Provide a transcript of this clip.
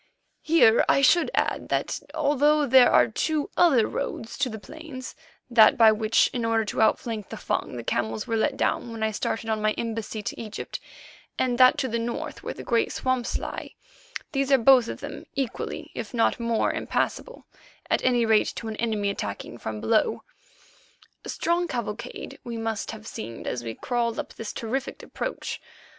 Here I should add that, although there are two other roads to the plains—that by which, in order to outflank the Fung, the camels were let down when I started on my embassy to Egypt, and that to the north where the great swamps lie—these are both of them equally, if not more, impassable, at any rate to an enemy attacking from below. A strange cavalcade we must have seemed as we crawled up this terrific approach.